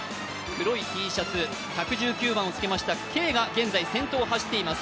黒いＴシャツ、１１９番をつけましたＫが先頭を走っています。